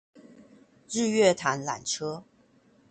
日月潭纜車